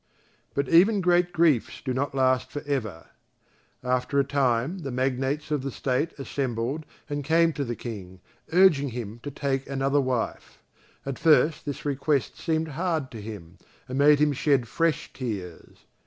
But even great griefs do not last for ever. After a time the magnates of the State assembled and came to the King, urging him to take another wife. At first this request seemed hard to him and made him shed fresh tears.